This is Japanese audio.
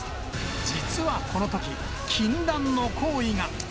実はこのとき、禁断の行為が。